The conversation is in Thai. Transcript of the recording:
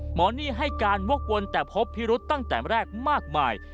หนี้ให้การวกวนแต่พบพิรุษตั้งแต่แรกมากมาย